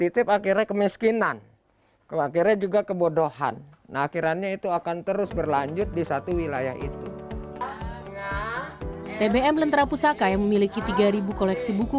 tbm lentera pusaka yang memiliki tiga koleksi buku